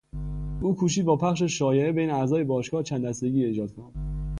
او کوشید با پخش شایعه بین اعضای باشگاه چند دستگی ایجاد کند.